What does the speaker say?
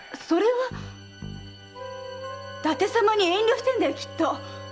それは伊達様に遠慮してるんだよきっと！